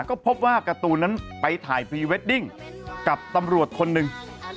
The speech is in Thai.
ก็พบว่าการ์ตูนนั้นไปถ่ายพรีเวดดิ้งกับตำรวจคนหนึ่ง